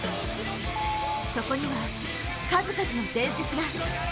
そこには、数々の伝説が。